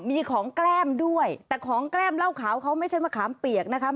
มีของแก้มด้วยแต่ของแก้มเหล้าขาวเขาไม่ใช่มะขามเปียกนะคะ